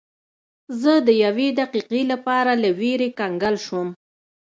زه د یوې دقیقې لپاره له ویرې کنګل شوم.